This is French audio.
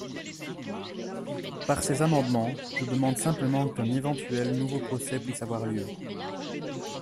Par ces amendements, je demande simplement qu’un éventuel nouveau procès puisse avoir lieu.